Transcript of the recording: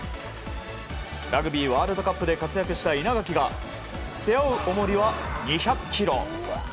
ラグビーワールドカップで活躍した稲垣が背負う重りは２００ｋｇ。